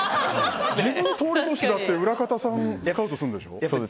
自分通り越して裏方さんスカウトするんでしょ。